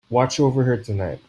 Watch over her tonight.